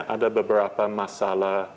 ada beberapa masalah